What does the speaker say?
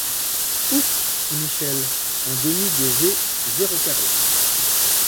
Ouf! fit Michel, un demi de v zéro carré...